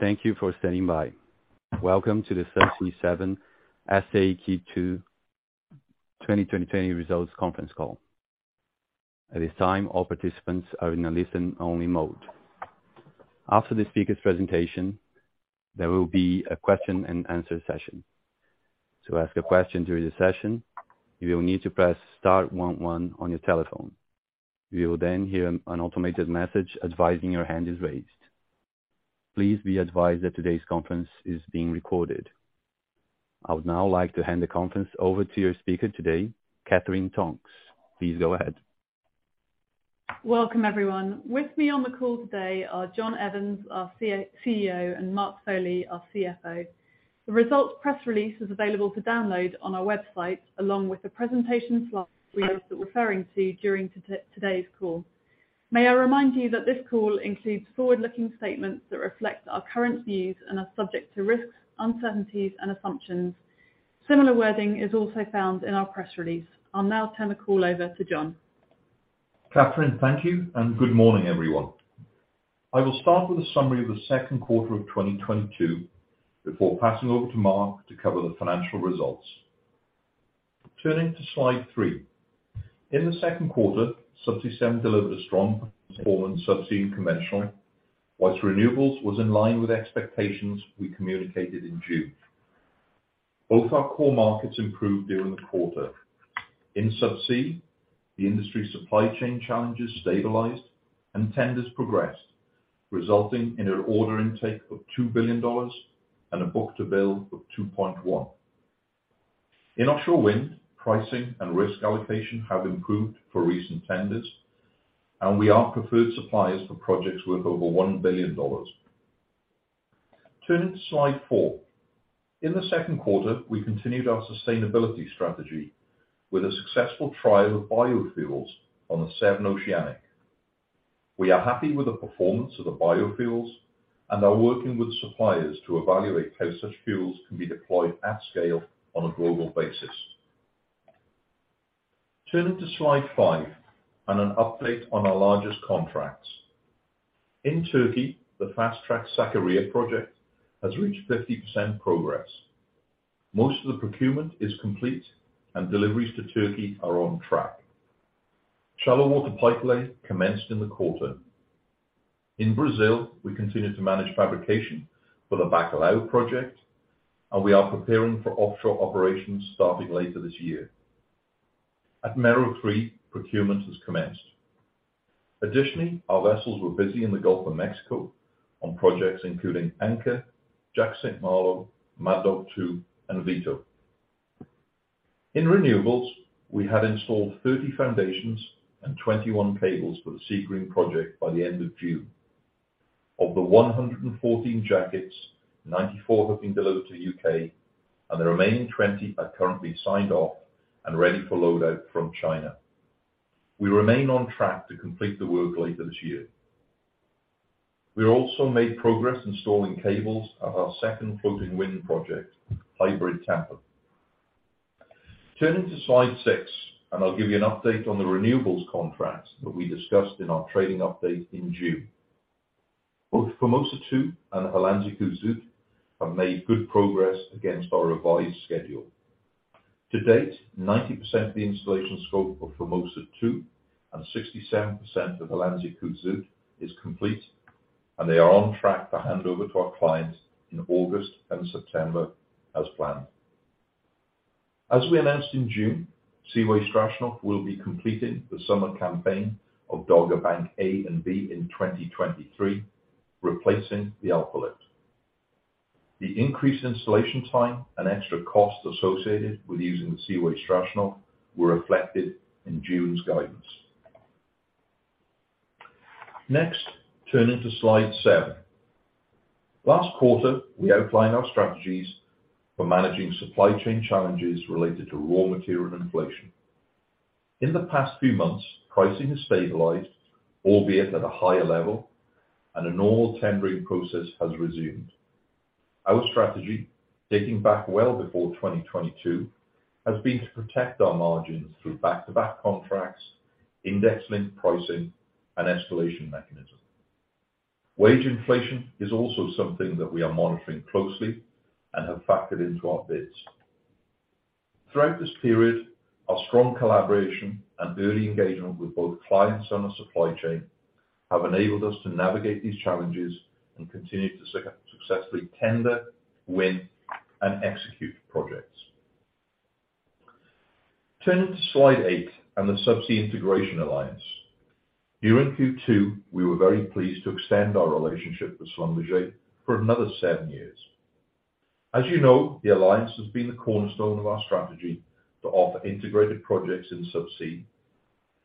Thank you for standing by. Welcome to the Subsea 7 S.A. Q2 2020 Results Conference Call. At this time, all participants are in a listen-only mode. After the speaker presentation, there will be a question and answer session. To ask a question during the session, you will need to press star one one on your telephone. You will then hear an automated message advising your hand is raised. Please be advised that today's conference is being recorded. I would now like to hand the conference over to your speaker today, Katherine Tonks. Please go ahead. Welcome everyone. With me on the call today are John Evans, our CEO, and Mark Foley, our CFO. The results press release is available to download on our website, along with the presentation slides we'll be referring to during today's call. May I remind you that this call includes forward-looking statements that reflect our current views and are subject to risks, uncertainties and assumptions. Similar wording is also found in our press release. I'll now turn the call over to John. Katherine, thank you and good morning, everyone. I will start with a summary of the second quarter of 2022 before passing over to Mark to cover the financial results. Turning to slide 3. In the second quarter, Subsea 7 delivered a strong performance Subsea and Conventional, while Renewables was in line with expectations we communicated in June. Both our core markets improved during the quarter. In Subsea, the industry supply chain challenges stabilized and tenders progressed, resulting in an order intake of $2 billion and a book-to-bill of 2.1. In offshore wind, pricing and risk allocation have improved for recent tenders, and we are preferred suppliers for projects worth over $1 billion. Turning to slide 4. In the second quarter, we continued our sustainability strategy with a successful trial of biofuels on the Seven Oceanic. We are happy with the performance of the biofuels and are working with suppliers to evaluate how such fuels can be deployed at scale on a global basis. Turning to slide 5 and an update on our largest contracts. In Turkey, the fast track Sakarya project has reached 50% progress. Most of the procurement is complete and deliveries to Turkey are on track. Shallow water pipelay commenced in the quarter. In Brazil, we continue to manage fabrication for the Bacalhau project and we are preparing for offshore operations starting later this year. At Mero-3, procurement has commenced. Additionally, our vessels were busy in the Gulf of Mexico on projects including Anchor, Jack/St. Malo, Mad Dog 2, and Vito. In Renewables, we have installed 30 foundations and 21 cables for the Seagreen project by the end of June. Of the 114 jackets, 94 have been delivered to U.K. and the remaining 20 are currently signed off and ready for load out from China. We remain on track to complete the work later this year. We also made progress installing cables at our second floating wind project, Hywind Tampen. Turning to slide 6, I'll give you an update on the renewables contracts that we discussed in our trading update in June. Both Formosa 2 and Hollandse Kust Zuid have made good progress against our revised schedule. To date, 90% of the installation scope of Formosa 2 and 67% of Hollandse Kust Zuid is complete and they are on track for handover to our clients in August and September as planned. As we announced in June, Seaway Strashnov will be completing the summer campaign of Dogger Bank A and B in 2023, replacing the Alfa Lift. The increased installation time and extra cost associated with using the Seaway Strashnov were reflected in June's guidance. Next, turning to slide 7. Last quarter, we outlined our strategies for managing supply chain challenges related to raw material inflation. In the past few months, pricing has stabilized, albeit at a higher level and a normal tendering process has resumed. Our strategy, dating back well before 2022, has been to protect our margins through back-to-back contracts, index linked pricing and escalation mechanisms. Wage inflation is also something that we are monitoring closely and have factored into our bids. Throughout this period, our strong collaboration and early engagement with both clients and the supply chain have enabled us to navigate these challenges and continue to successfully tender, win and execute projects. Turning to slide 8 and the Subsea Integration Alliance. During Q2, we were very pleased to extend our relationship with Schlumberger for another 7 years. As you know, the alliance has been the cornerstone of our strategy to offer integrated projects in Subsea,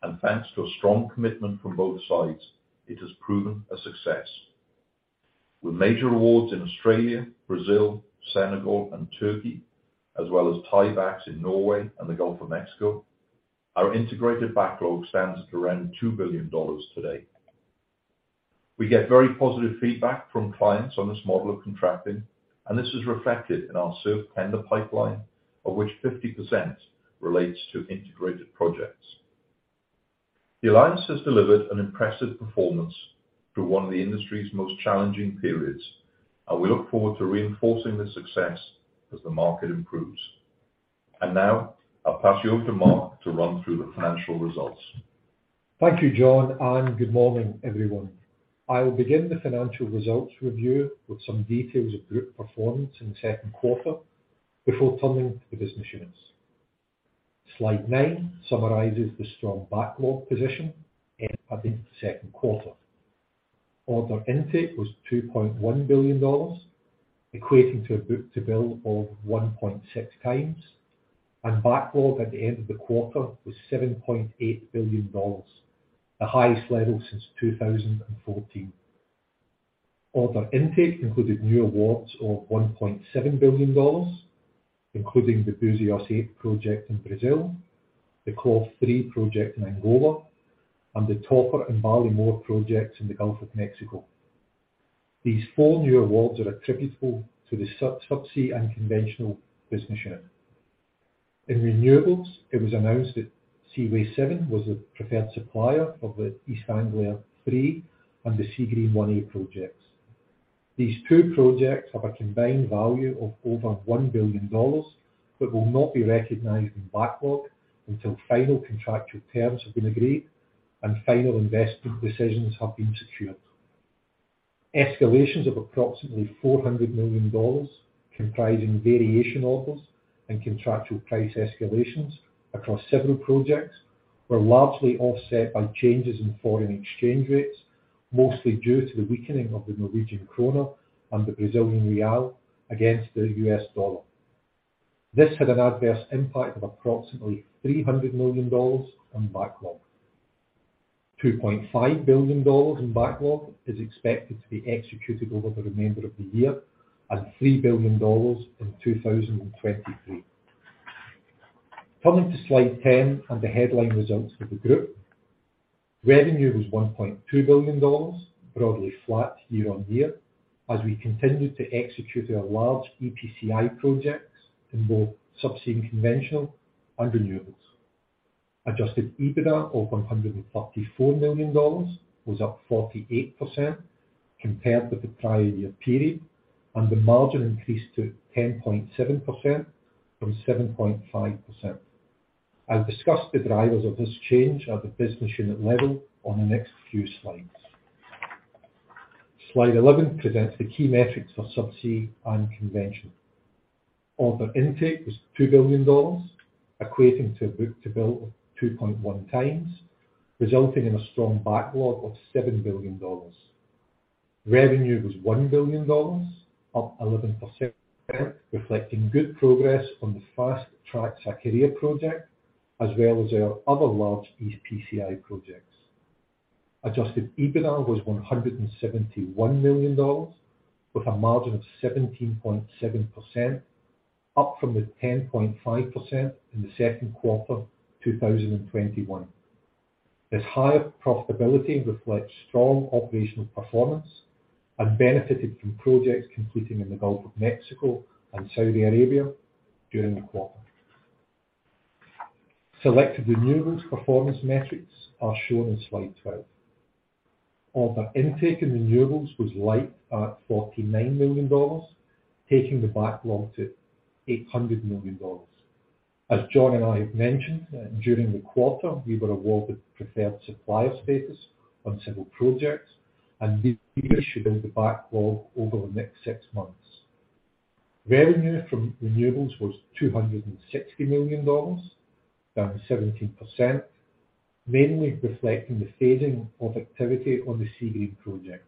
and thanks to a strong commitment from both sides, it has proven a success. With major awards in Australia, Brazil, Senegal and Turkey, as well as tie-backs in Norway and the Gulf of Mexico, our integrated backlog stands at around $2 billion today. We get very positive feedback from clients on this model of contracting, and this is reflected in our SURF tender pipeline, of which 50% relates to integrated projects. The alliance has delivered an impressive performance through one of the industry's most challenging periods, and we look forward to reinforcing this success as the market improves. Now I'll pass you over to Mark to run through the financial results. Thank you, John, and good morning, everyone. I will begin the financial results review with some details of group performance in second quarter before turning to the business units. Slide 9 summarizes the strong backlog position at the end of second quarter. Order intake was $2.1 billion, equating to a book-to-bill of 1.6 times, and backlog at the end of the quarter was $7.8 billion, the highest level since 2014. Order intake included new awards of $1.7 billion, including the Búzios 8 project in Brazil, the CLOV 3 project in Angola, and the Topper and Ballymore projects in the Gulf of Mexico. These four new awards are attributable to the Subsea and Conventional business unit. In Renewables, it was announced that Seaway 7 was the preferred supplier of the East Anglia 3 and the Seagreen 1A projects. These two projects have a combined value of over $1 billion, but will not be recognized in backlog until final contractual terms have been agreed and final investment decisions have been secured. Escalations of approximately $400 million, comprising variation orders and contractual price escalations across several projects, were largely offset by changes in foreign exchange rates, mostly due to the weakening of the Norwegian krone and the Brazilian real against the U.S. dollar. This had an adverse impact of approximately $300 million on backlog. $2.5 billion in backlog is expected to be executed over the remainder of the year and $3 billion in 2023. Turning to slide 10 and the headline results for the group. Revenue was $1.2 billion, broadly flat year-on-year, as we continued to execute our large EPCI projects in both Subsea and Conventional and Renewables. Adjusted EBITDA of $134 million was up 48% compared with the prior year period, and the margin increased to 10.7% from 7.5%. I'll discuss the drivers of this change at the business unit level on the next few slides. Slide 11 presents the key metrics for Subsea and Conventional. Order intake was $2 billion, equating to book-to-bill of 2.1x, resulting in a strong backlog of $7 billion. Revenue was $1 billion, up 11%, reflecting good progress on the fast-track Sakarya project, as well as our other large EPCI projects. Adjusted EBITDA was $171 million, with a margin of 17.7%, up from the 10.5% in the second quarter 2021. This higher profitability reflects strong operational performance and benefited from projects completing in the Gulf of Mexico and Saudi Arabia during the quarter. Selected Renewables performance metrics are shown in slide 12. Order intake in Renewables was light at $49 million, taking the backlog to $800 million. As John and I have mentioned, during the quarter, we were awarded preferred supplier status on several projects, and these should build the backlog over the next six months. Revenue from Renewables was $260 million, down 17%, mainly reflecting the fading of activity on the Seagreen project.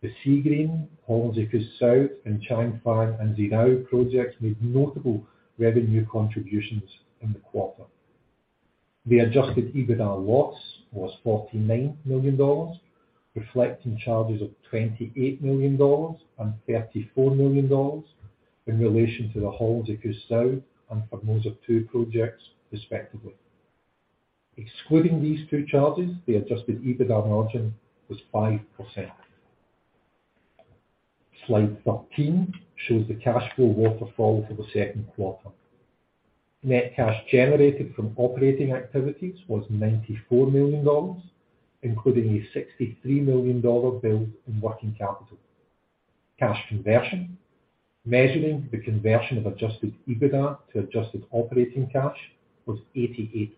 The Seagreen, Hornsea 2, and Changfang and Xidao projects made notable revenue contributions in the quarter. The adjusted EBITDA loss was $49 million, reflecting charges of $28 million and $34 million in relation to the Hornsea 2 and Formosa 2 projects respectively. Excluding these two charges, the adjusted EBITDA margin was 5%. Slide 13 shows the cash flow waterfall for the second quarter. Net cash generated from operating activities was $94 million, including a $63 million build in working capital. Cash conversion, measuring the conversion of adjusted EBITDA to adjusted operating cash, was 88%.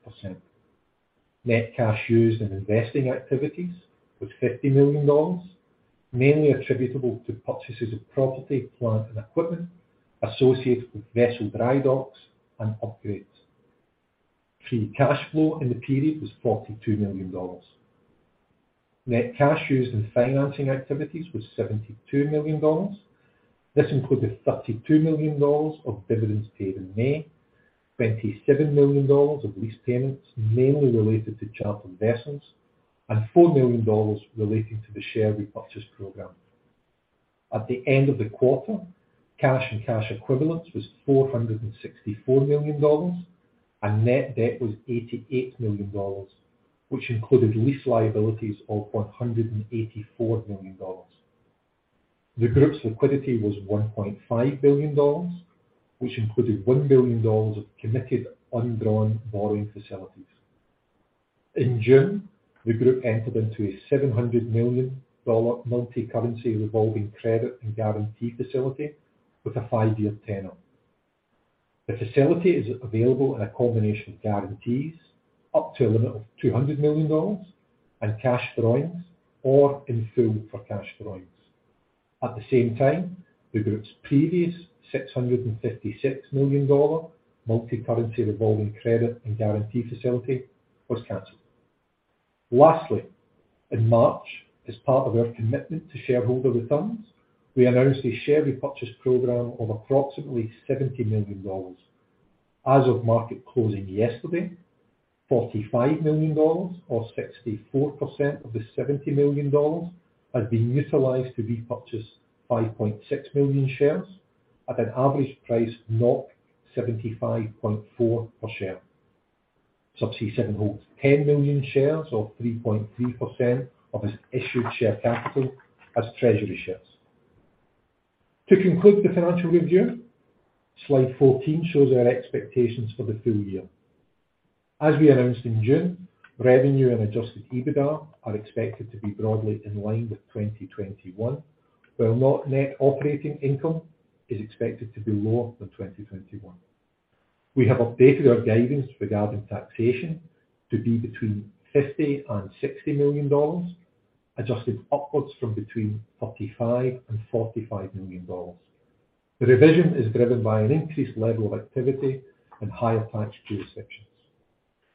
Net cash used in investing activities was $50 million, mainly attributable to purchases of property, plant, and equipment associated with vessel dry docks and upgrades. Free cash flow in the period was $42 million. Net cash used in financing activities was $72 million. This included $32 million of dividends paid in May, $27 million of lease payments, mainly related to charter vessels, and $4 million relating to the share repurchase program. At the end of the quarter, cash and cash equivalents was $464 million, and net debt was $88 million, which included lease liabilities of $184 million. The group's liquidity was $1.5 billion, which included $1 billion of committed undrawn borrowing facilities. In June, the group entered into a $700 million multicurrency revolving credit and guarantee facility with a five-year tenure. The facility is available in a combination of guarantees up to a limit of $200 million in cash drawings or in full for cash drawings. At the same time, the group's previous $656 million multicurrency revolving credit and guarantee facility was canceled. Lastly, in March, as part of our commitment to shareholder returns, we announced a share repurchase program of approximately $70 million. As of market closing yesterday, $45 million or 64% of the $70 million has been utilized to repurchase 5.6 million shares at an average price 75.4 per share. Subsea 7 holds 10 million shares, or 3.3% of its issued share capital as treasury shares. To conclude the financial review, slide 14 shows our expectations for the full year. As we announced in June, revenue and adjusted EBITDA are expected to be broadly in line with 2021, where net operating income is expected to be lower than 2021. We have updated our guidance regarding taxation to be between $50 million and $60 million, adjusted upwards from between $45 million and $45 million. The revision is driven by an increased level of activity and higher tax jurisdictions.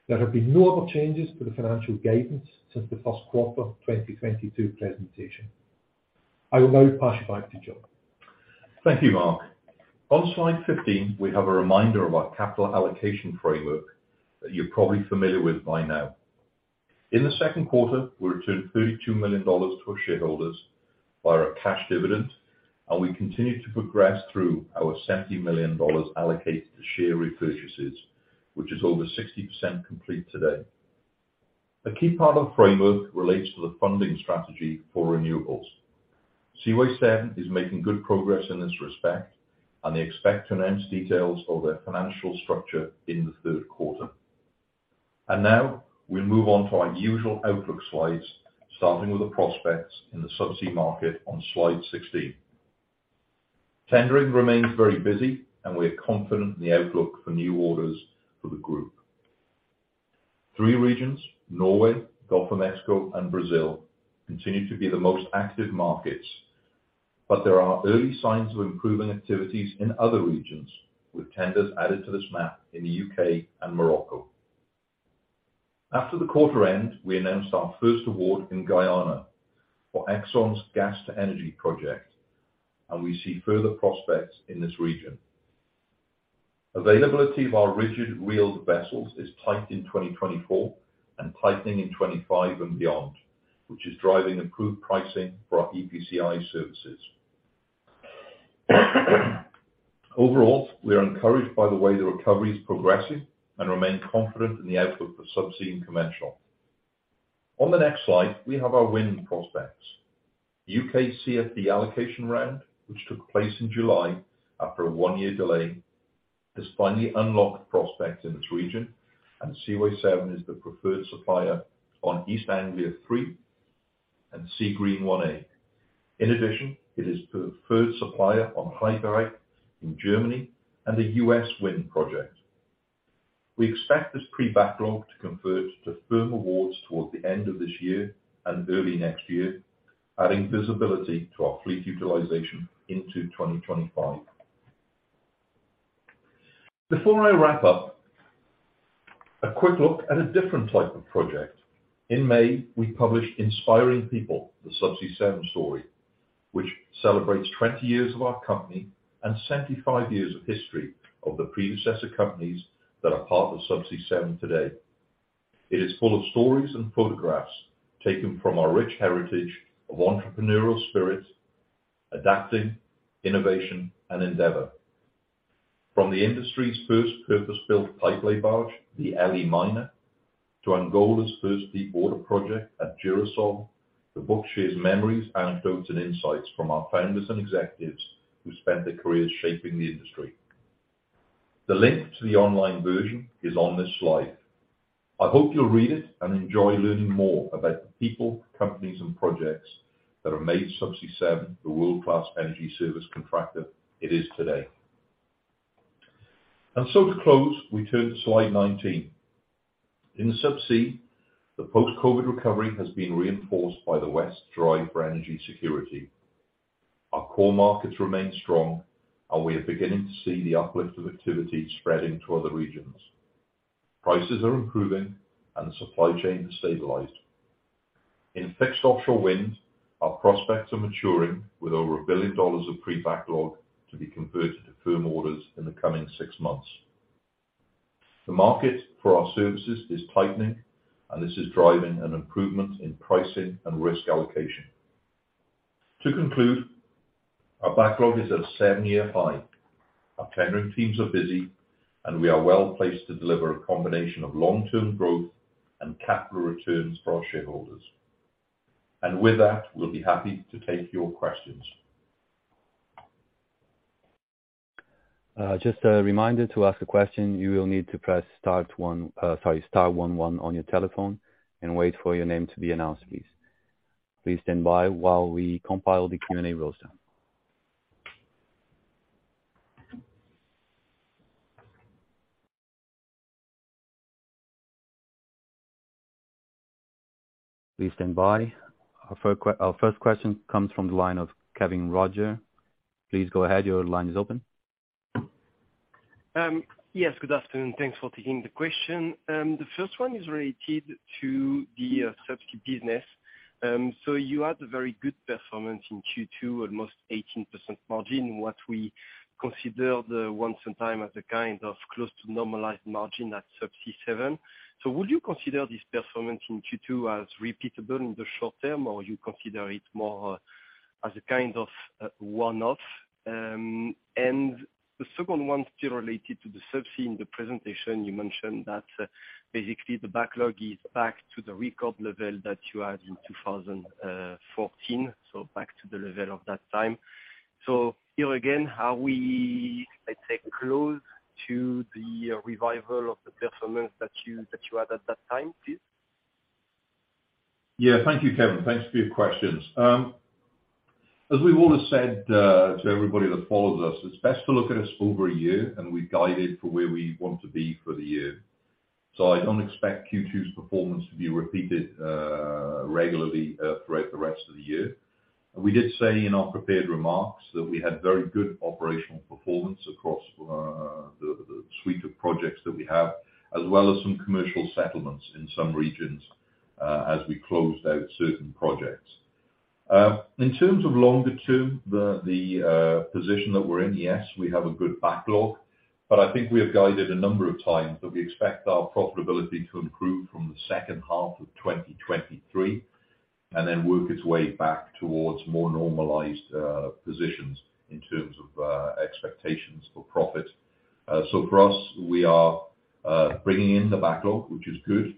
There have been no other changes to the financial guidance since the first quarter of 2022 presentation. I will now pass you back to Joe. Thank you, Mark. On slide 15, we have a reminder of our capital allocation framework that you're probably familiar with by now. In the second quarter, we returned $32 million to our shareholders via a cash dividend, and we continue to progress through our $70 million allocated to share repurchases, which is over 60% complete today. A key part of the framework relates to the funding strategy for Renewables. Subsea 7 is making good progress in this respect, and they expect to announce details of their financial structure in the third quarter. Now we move on to our usual outlook slides, starting with the prospects in the subsea market on slide 16. Tendering remains very busy and we are confident in the outlook for new orders for the group. Three regions, Norway, Gulf of Mexico and Brazil, continue to be the most active markets. There are early signs of improving activities in other regions, with tenders added to this map in the U.K. and Morocco. After the quarter end, we announced our first award in Guyana for ExxonMobil's Gas to Energy project, and we see further prospects in this region. Availability of our rigid wheeled vessels is tight in 2024 and tightening in 2025 and beyond, which is driving improved pricing for our EPCI services. Overall, we are encouraged by the way the recovery is progressing and remain confident in the outlook for Subsea and Conventional. On the next slide we have our wind prospects. U.K. CFD allocation round, which took place in July after a one-year delay, has finally unlocked prospects in this region, and Subsea 7 is the preferred supplier on East Anglia Three and Seagreen 1A. In addition, it is preferred supplier on He Dreiht in Germany and the U.S. Wind project. We expect this pre-backlog to convert to firm awards toward the end of this year and early next year, adding visibility to our fleet utilization into 2025. Before I wrap up, a quick look at a different type of project. In May, we published Inspiring People: The Subsea 7 Story, which celebrates 20 years of our company and 75 years of history of the predecessor companies that are part of Subsea 7 today. It is full of stories and photographs taken from our rich heritage of entrepreneurial spirit, adaptation, innovation and endeavor. From the industry's first purpose-built pipelay barge, theL.E. Minor, to Angola's first deepwater project at Girassol, the book shares memories, anecdotes, and insights from our founders and executives who spent their careers shaping the industry. The link to the online version is on this slide. I hope you'll read it and enjoy learning more about the people, companies, and projects that have made Subsea 7 the world-class energy service contractor it is today. To close, we turn to slide 19. In the subsea, the post-COVID recovery has been reinforced by the West's drive for energy security. Our core markets remain strong and we are beginning to see the uplift of activity spreading to other regions. Prices are improving and the supply chain has stabilized. In fixed offshore wind, our prospects are maturing with over $1 billion of pre-backlog to be converted to firm orders in the coming 6 months. The market for our services is tightening and this is driving an improvement in pricing and risk allocation. To conclude, our backlog is at a seven-year high. Our tendering teams are busy, and we are well placed to deliver a combination of long-term growth and capital returns for our shareholders. With that, we'll be happy to take your questions. Just a reminder, to ask a question, you will need to press star one one on your telephone and wait for your name to be announced, please. Please stand by while we compile the Q&A roster. Please stand by. Our first question comes from the line of Kévin Roger. Please go ahead. Your line is open. Yes, good afternoon. Thanks for taking the question. The first one is related to the Subsea business. So you had a very good performance in Q2, almost 18% margin, what we consider at one time as a kind of close to normalized margin at Subsea 7. So would you consider this performance in Q2 as repeatable in the short term, or you consider it more as a kind of one-off? And the second one still related to the Subsea. In the presentation you mentioned that basically the backlog is back to the record level that you had in 2014, so back to the level of that time. So here again, are we, let's say, close to the revival of the performance that you had at that time, please? Yeah. Thank you, Kévin. Thanks for your questions. As we've always said to everybody that follows us, it's best to look at us over a year, and we guided for where we want to be for the year. I don't expect Q2's performance to be repeated regularly throughout the rest of the year. We did say in our prepared remarks that we had very good operational performance across the suite of projects that we have, as well as some commercial settlements in some regions as we closed out certain projects. In terms of longer term, the position that we're in, yes, we have a good backlog, but I think we have guided a number of times that we expect our profitability to improve from the second half of 2023, and then work its way back towards more normalized positions in terms of expectations for profit. For us, we are bringing in the backlog, which is good.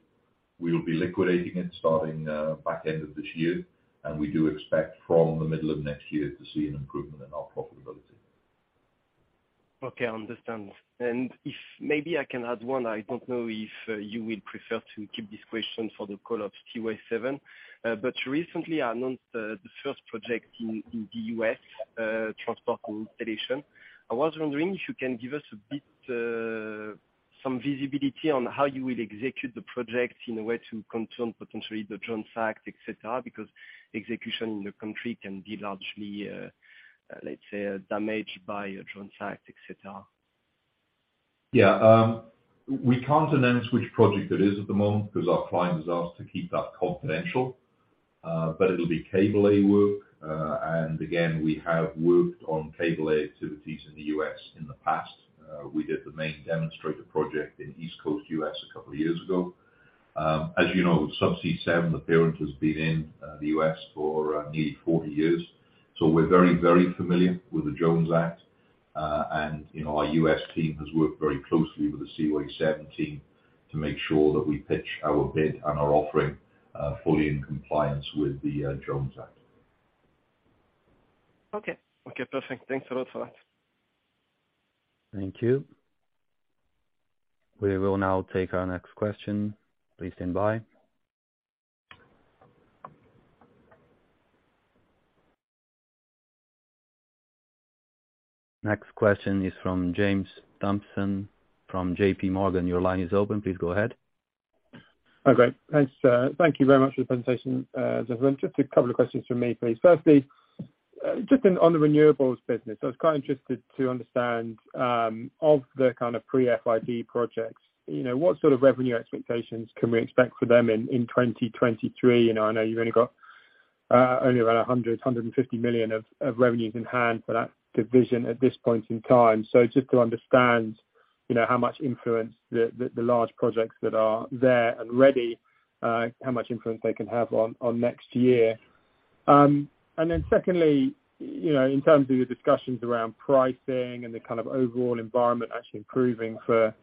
We will be liquidating it starting back end of this year, and we do expect from the middle of next year to see an improvement in our profitability. Okay, I understand. If maybe I can add one, I don't know if you will prefer to keep this question for the call of Seaway 7, but recently announced the first project in the U.S., transport and installation. I was wondering if you can give us a bit, some visibility on how you will execute the project in a way to counter potentially the Jones Act, et cetera, because execution in the country can be largely, let's say, damaged by a Jones Act, et cetera. Yeah. We can't announce which project it is at the moment because our client has asked to keep that confidential, but it'll be cable lay work. Again, we have worked on cable lay activities in the U.S. in the past. We did the main demonstrator project in East Coast, U.S. a couple of years ago. As you know, with Subsea 7, the parent has been in the U.S. for nearly 40 years, so we're very, very familiar with the Jones Act. You know, our U.S. team has worked very closely with the Seaway 7 team to make sure that we pitch our bid and our offering fully in compliance with the Jones Act. Okay. Okay, perfect. Thanks a lot for that. Thank you. We will now take our next question. Please stand by. Next question is from James Thompson from JPMorgan. Your line is open. Please go ahead. Okay. Thanks. Thank you very much for the presentation, as well. Just a couple of questions from me, please. Firstly, just on the renewables business, I was quite interested to understand of the kind of pre-FID projects, you know, what sort of revenue expectations can we expect for them in 2023? You know, I know you've only got about $150 million of revenues in hand for that division at this point in time. So just to understand, you know, how much influence the large projects that are there and ready, how much influence they can have on next year. Secondly, you know, in terms of your discussions around pricing and the kind of overall environment actually improving for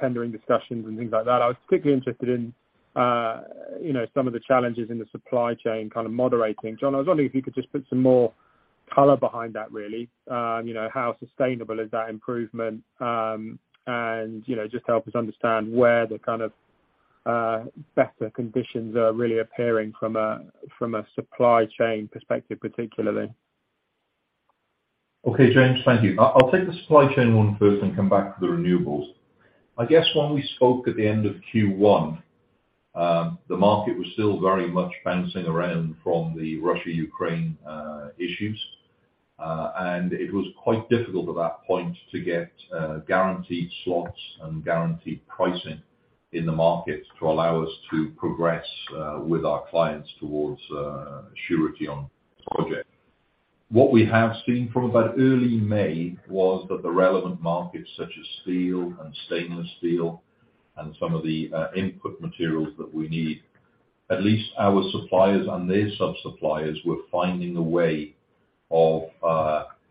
tendering discussions and things like that, I was particularly interested in, you know, some of the challenges in the supply chain kind of moderating. John, I was wondering if you could just put some more color behind that really. You know, how sustainable is that improvement? You know, just help us understand where the kind of better conditions are really appearing from a supply chain perspective, particularly. Okay, James. Thank you. I'll take the supply chain one first and come back to the renewables. I guess when we spoke at the end of Q1, the market was still very much bouncing around from the Russia-Ukraine issues, and it was quite difficult at that point to get guaranteed slots and guaranteed pricing in the market to allow us to progress with our clients towards surety on project. What we have seen from about early May was that the relevant markets such as steel and stainless steel and some of the input materials that we need. At least our suppliers and their sub-suppliers were finding a way of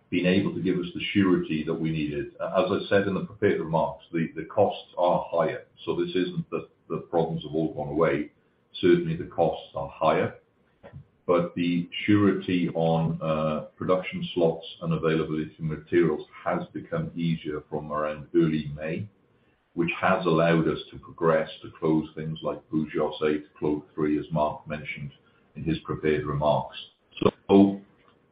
being able to give us the surety that we needed. As I said in the prepared remarks, the costs are higher, so this isn't that the problems have all gone away. Certainly, the costs are higher, but the surety on production slots and availability of materials has become easier from around early May, which has allowed us to progress to close things like Búzios 8, CLOV 3, as Mark mentioned in his prepared remarks.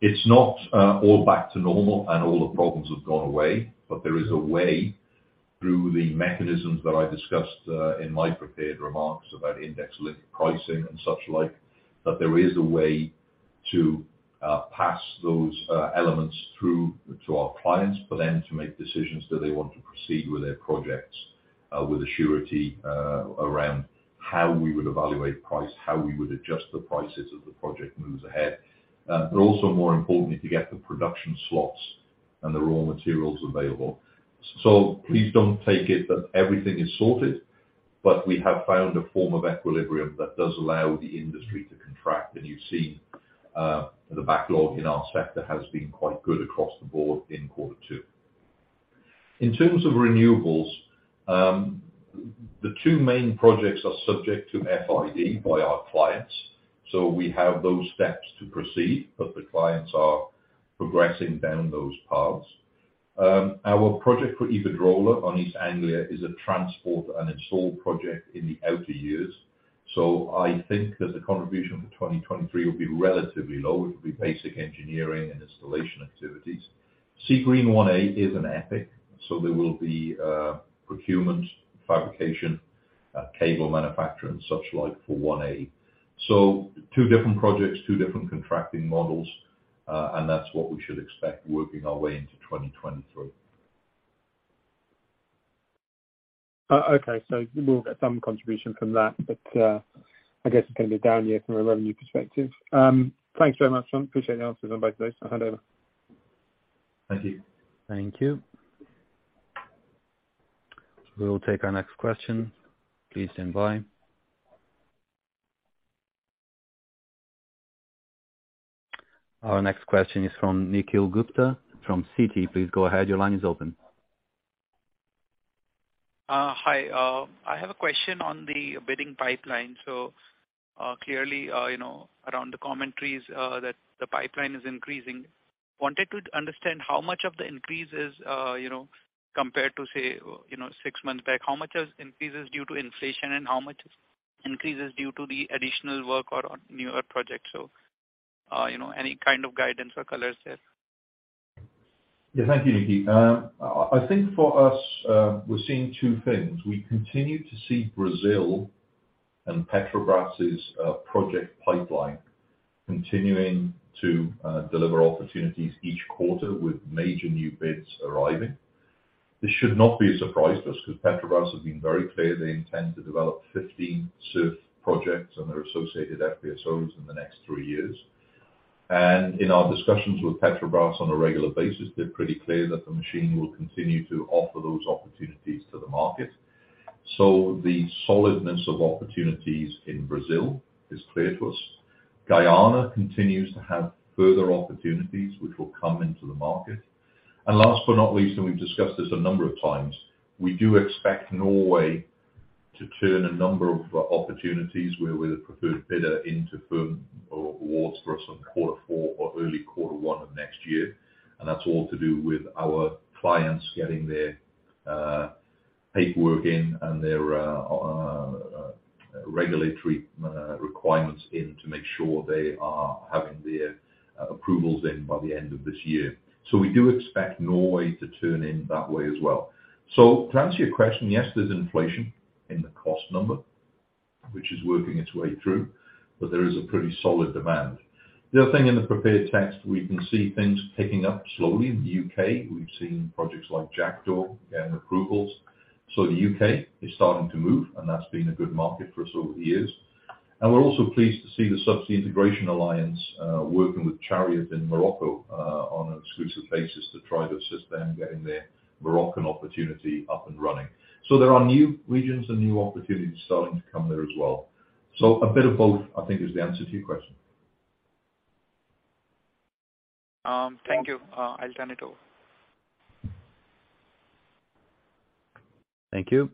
It's not all back to normal and all the problems have gone away. There is a way through the mechanisms that I discussed in my prepared remarks about index-linked pricing and such like, that there is a way to pass those elements through to our clients for them to make decisions, do they want to proceed with their projects with assurance around how we would evaluate price, how we would adjust the prices as the project moves ahead. Also more importantly, to get the production slots and the raw materials available. Please don't take it that everything is sorted, but we have found a form of equilibrium that does allow the industry to contract. You've seen the backlog in our sector has been quite good across the board in quarter two. In terms of renewables, the two main projects are subject to FID by our clients. We have those steps to proceed, but the clients are progressing down those paths. Our project for Iberdrola on East Anglia is a transport and install project in the outer years. I think that the contribution for 2023 will be relatively low. It will be basic engineering and installation activities. Seagreen 1A is an EPCI, so there will be procurement, fabrication, cable manufacture and such like for 1A. Two different projects, two different contracting models, and that's what we should expect working our way into 2023. Okay. We'll get some contribution from that, but I guess it's gonna be down here from a revenue perspective. Thanks very much, John. Appreciate the answers on both those. Over. Thank you. Thank you. We will take our next question. Please stand by. Our next question is from Nikhil Gupta from Citi. Please go ahead. Your line is open. Hi. I have a question on the bidding pipeline. Clearly, around the commentaries, that the pipeline is increasing. Wanted to understand how much of the increase is compared to six months back, how much increases due to inflation and how much increases due to the additional work or on newer projects? Any kind of guidance or colors there? Yeah. Thank you, Nikhil. I think for us, we're seeing two things. We continue to see Brazil and Petrobras's project pipeline continuing to deliver opportunities each quarter with major new bids arriving. This should not be a surprise to us because Petrobras has been very clear they intend to develop 15 SURF projects and their associated FPSOs in the next three years. In our discussions with Petrobras on a regular basis, they're pretty clear that the management will continue to offer those opportunities to the market. The solidness of opportunities in Brazil is clear to us. Guyana continues to have further opportunities which will come into the market. Last but not least, and we've discussed this a number of times, we do expect Norway to turn a number of opportunities where we're the preferred bidder into firm awards for us in quarter four or early quarter one of next year. That's all to do with our clients getting their paperwork in and their regulatory requirements in to make sure they are having their approvals in by the end of this year. We do expect Norway to turn in that way as well. To answer your question, yes, there's inflation in the cost number, which is working its way through, but there is a pretty solid demand. The other thing in the prepared text, we can see things picking up slowly. In the U.K., we've seen projects like Jackdaw gain approvals. The U.K. is starting to move and that's been a good market for us over the years. We're also pleased to see the Subsea Integration Alliance working with Chariot in Morocco on an exclusive basis to try to assist them getting their Moroccan opportunity up and running. There are new regions and new opportunities starting to come there as well. A bit of both, I think is the answer to your question. Thank you. I'll turn it over. Thank you.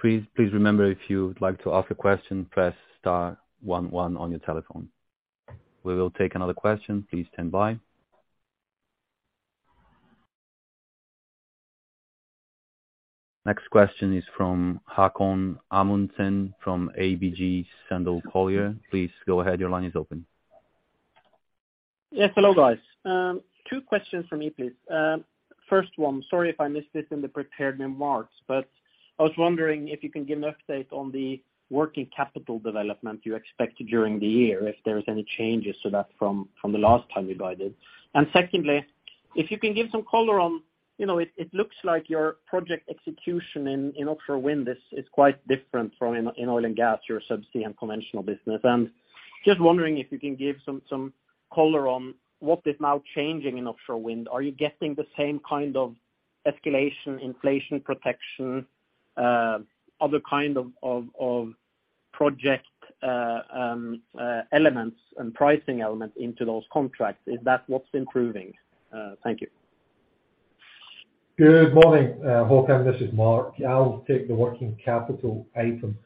Please remember, if you would like to ask a question, press star one one on your telephone. We will take another question. Please stand by. Next question is from Haakon Amundsen, from ABG Sundal Collier. Please go ahead. Your line is open. Yes. Hello, guys. Two questions from me, please. First one, sorry if I missed this in the prepared remarks, but I was wondering if you can give an update on the working capital development you expect during the year, if there's any changes to that from the last time you guided. Secondly, if you can give some color on, you know, it looks like your project execution in offshore wind is quite different from in oil and gas, your Subsea and Conventional business. Just wondering if you can give some color on what is now changing in offshore wind. Are you getting the same kind of escalation, inflation protection, other kind of project elements and pricing elements into those contracts. Is that what's improving? Thank you. Good morning, Haakon. This is Mark. I'll take the working capital item.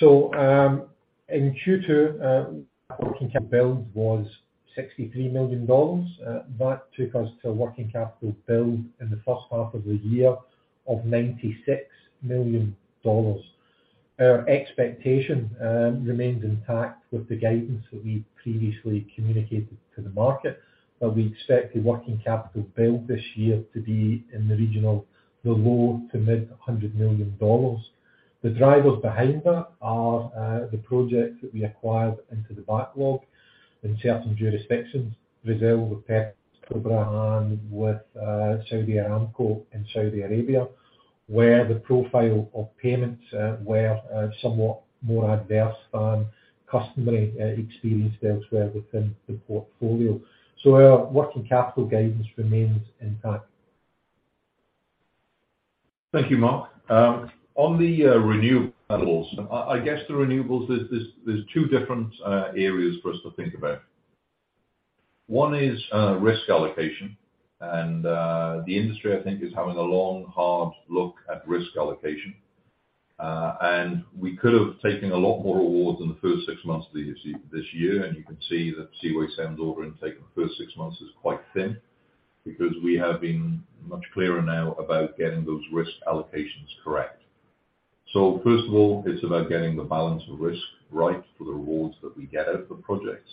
In Q2, working capital build was $63 million. That took us to a working capital build in the first half of the year of $96 million. Our expectation remains intact with the guidance that we previously communicated to the market, but we expect the working capital build this year to be in the region of below to mid-hundred million dollars. The drivers behind that are the projects that we acquired into the backlog in certain jurisdictions, Brazil with Petrobras and with Saudi Aramco in Saudi Arabia, where the profile of payments were somewhat more adverse than customary experience elsewhere within the portfolio. Our working capital guidance remains intact. Thank you, Mark. On the Renewables, I guess the Renewables, there's two different areas for us to think about. One is risk allocation, and the industry, I think, is having a long, hard look at risk allocation. We could have taken a lot more awards in the first six months of the year, this year, and you can see that Seaway 7's order intake in the first six months is quite thin, because we have been much clearer now about getting those risk allocations correct. First of all, it's about getting the balance of risk right for the rewards that we get out of the projects.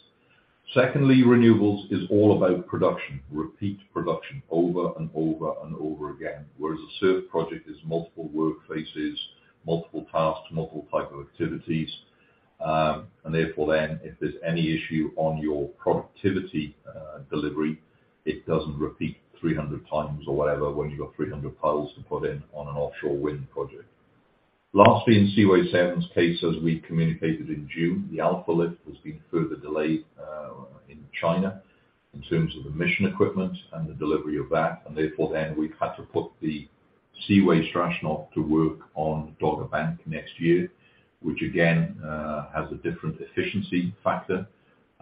Secondly, Renewables is all about production, repeat production over and over and over again. Whereas a SURF project is multiple work phases, multiple tasks, multiple type of activities. If there's any issue on your productivity, delivery, it doesn't repeat 300 times or whatever when you've got 300 piles to put in on an offshore wind project. Lastly, in Seaway 7's case, as we communicated in June, the Alfa Lift has been further delayed in China in terms of emission equipment and the delivery of that. We've had to put the Seaway Strashnov to work on Dogger Bank next year, which again has a different efficiency factor,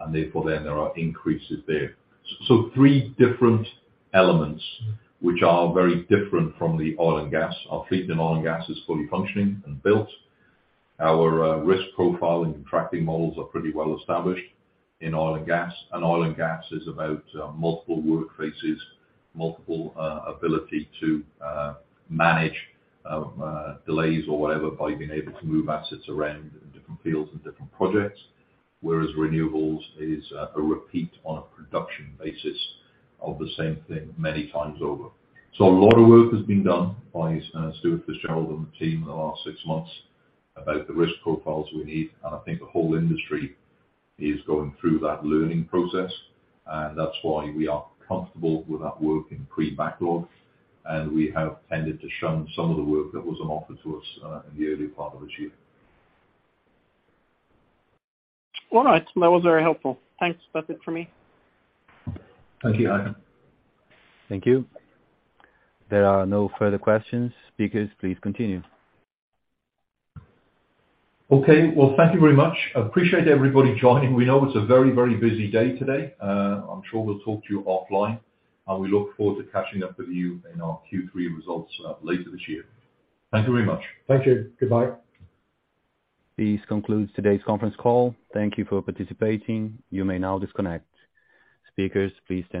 and therefore then there are increases there. Three different elements which are very different from the oil and gas. Our fleet in oil and gas is fully functioning and built. Our risk profile and contracting models are pretty well established in oil and gas. Oil and gas is about multiple work phases, ability to manage delays or whatever by being able to move assets around in different fields and different projects. Whereas renewables is a repeat on a production basis of the same thing many times over. A lot of work has been done by Stuart Fitzgerald and the team in the last six months about the risk profiles we need, and I think the whole industry is going through that learning process. That's why we are comfortable with that work in pre-backlog, and we have tended to shun some of the work that was on offer to us in the earlier part of this year. All right. That was very helpful. Thanks. That's it for me. Thank you, Haakon. Thank you. There are no further questions. Speakers, please continue. Okay. Well, thank you very much. I appreciate everybody joining. We know it's a very, very busy day today. I'm sure we'll talk to you offline, and we look forward to catching up with you in our Q3 results, later this year. Thank you very much. Thank you. Goodbye. This concludes today's conference call. Thank you for participating. You may now disconnect. Speakers, please stand by.